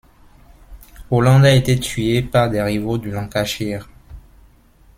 Holland a été tué par des rivaux du Lancashire.